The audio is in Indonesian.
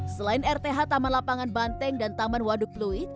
selain rth taman lapangan banteng dan taman waduk pluit